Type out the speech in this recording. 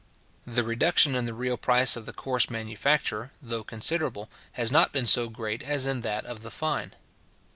The reduction in the real price of the coarse manufacture, though considerable, has not been so great as in that of the fine.